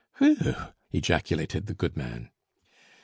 "Whew!" ejaculated the goodman.